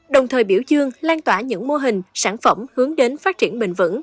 đồng thời biểu dương lan tỏa những mô hình sản phẩm hướng đến phát triển bền vững